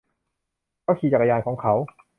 เขาขี่จักรยานของเขา